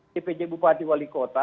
di pj bupati wali kota